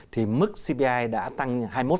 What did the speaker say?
thì mức cpi đã tăng hai mươi một ba